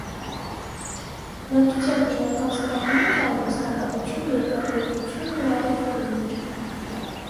Բնակչության հիմնական զբաղմունքը անասնապահություն, երկրագործությունն ու առևտուրն էր։